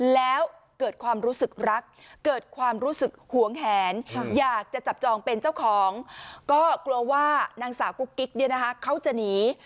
แล้วเกิดความรู้สึกรักเกิดความรู้สึกหวงแหนอยากจะจับจองเป็นเจ้าของก็กลัวว่านางสาวกุ๊กกิ๊กเนี่ยนะคะเขาจะหนี